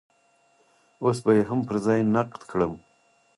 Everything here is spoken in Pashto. اوس به يې هم پر ځای نقد کړم.